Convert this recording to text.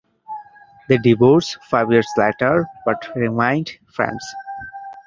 They divorced five years later, but remained friends.